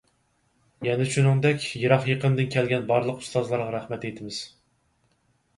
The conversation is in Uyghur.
يەنە شۇنىڭدەك، يىراق-يېقىندىن كەلگەن بارلىق ئۇستازلارغا رەھمەت ئېيتىمىز.